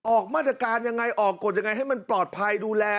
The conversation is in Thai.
ออกมาตรการยังไงออกกฎยังไงให้มันปลอดภัยดูแล